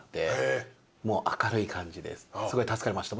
すごい助かりました。